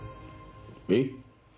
えっ？